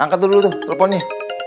angkat dulu tuh teleponnya